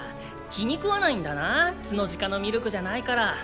気にくわないんだな角鹿のミルクじゃないから。